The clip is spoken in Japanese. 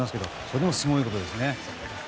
それでもすごいことですよね。